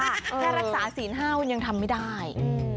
แค่รักษาศีล๕วันยังทำไม่ได้